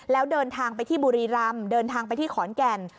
แล้วเดินทางไปที่บุรีรำเดินทางไปที่ขอนแก่น